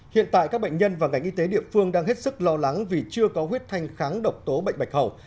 hiện tại các bệnh nhân và ngành y tế địa phương đang hết sức lo lắng vì chưa có huyết thanh kháng độc tố bệnh bạch hầu